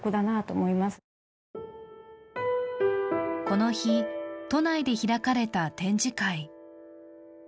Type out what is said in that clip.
この日、都内で開かれた展示会。